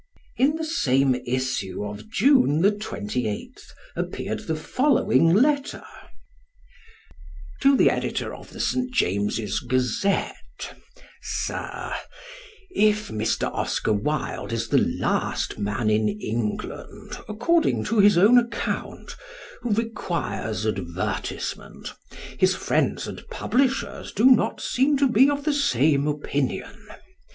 In the same issue of June 28th appeared the following letter: To the Editor of the St. James's Gazette. Sir, If Mr. Oscar Wilde is the last man in England (according to his own account) who requires advertisement, his friends and publishers do not seem to be of the same opinion.